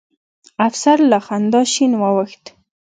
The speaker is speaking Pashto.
افسر له خندا شين واوښت.